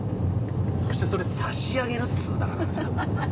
そしてそれ「さしあげる」っつうんだからさ。